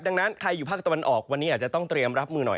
ดังนั้นใครอยู่ภาคตะวันออกวันนี้อาจจะต้องเตรียมรับมือหน่อย